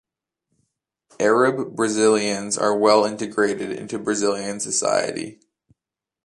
Arab-Brazilians are well integrated into Brazilian society.